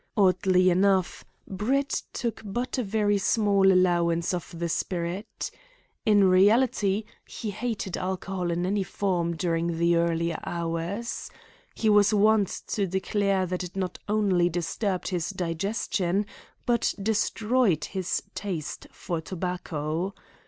Oddly enough, Brett took but a very small allowance of the spirit. In reality, he hated alcohol in any form during the earlier hours. He was wont to declare that it not only disturbed his digestion but destroyed his taste for tobacco.